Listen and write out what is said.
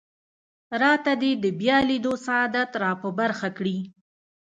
راته دې د بیا لیدو سعادت را په برخه کړي.